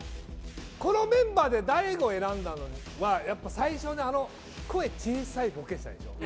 このメンバーで大悟を選んだのはやっぱり、最初声小さいボケしたでしょ。